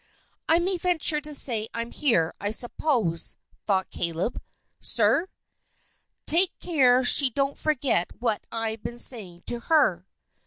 "I may venture to say I'm here, I suppose," thought Caleb. "Sir?" "Take care she don't forget what I've been saying to her."